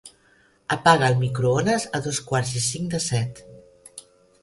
Apaga el microones a dos quarts i cinc de set.